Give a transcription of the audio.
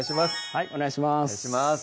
はいお願いします